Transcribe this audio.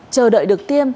chờ đợi được tiêm